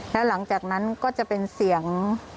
แล้วหลังจากนั้นก็จะเป็นเสียง